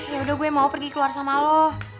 ya udah gue mau pergi keluar sama lo